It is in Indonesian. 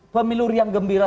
pemilu yang gembira